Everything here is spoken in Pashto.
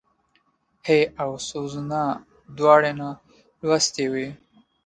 هېي او سوزانا دواړه نالوستي وو.